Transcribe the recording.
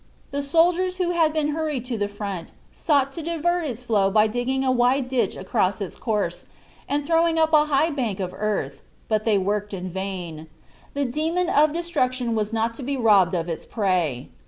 The soldiers who had been hurried to the front sought to divert its flow by digging a wide ditch across its course and throwing up a high bank of earth, but they worked in vain. The demon of destruction was not to be robbed of its prey.